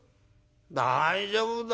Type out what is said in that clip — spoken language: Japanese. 「大丈夫だよ。